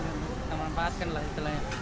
yang memanfaatkan lah istilahnya